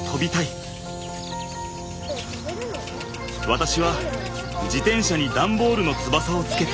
私は自転車に段ボールの翼をつけて。